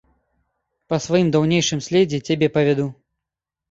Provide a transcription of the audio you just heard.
Па сваім даўнейшым следзе цябе павяду.